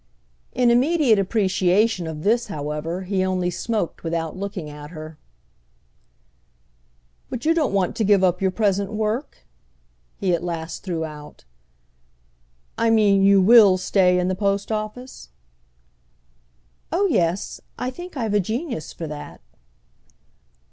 In immediate appreciation of this, however, he only smoked without looking at her. "But you don't want to give up your present work?" he at last threw out. "I mean you will stay in the post office?" "Oh yes; I think I've a genius for that."